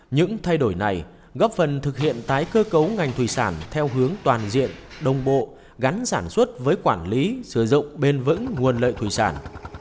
những thay đổi này góp phần thực hiện tái cơ cấu ngành thủy sản theo hướng toàn diện đồng bộ gắn sản xuất với quản lý sử dụng bền vững nguồn lợi thủy sản